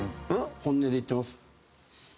本音で言ってます？